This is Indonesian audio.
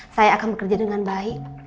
saya akan bekerja dengan baik